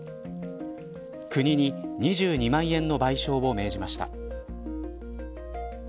国に２２万円の賠償を命じました。